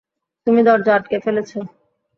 তুমি দরজা আটকে ফেলেছো!